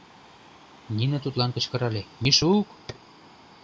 Нина тудлан кычкырале: «Мишук!